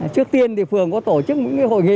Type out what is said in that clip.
trước tiên thì phường có tổ chức những hội nghị